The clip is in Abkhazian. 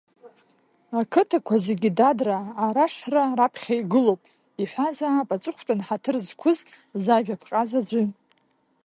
Ақыҭақәа зегьы, дадраа, Арашра раԥхьа игылоуп, иҳәазаап аҵыхәтәан ҳаҭыр зқәыз, зажәа ԥҟаз аӡәы.